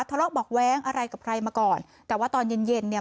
ทะเลาะเบาะแว้งอะไรกับใครมาก่อนแต่ว่าตอนเย็นเย็นเนี่ย